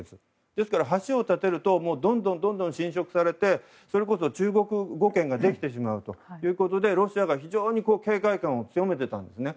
ですから橋を建てるとどんどん浸食されてそれこそ中国語圏ができてしまうということでロシアが非常に警戒感を強めていたんですね。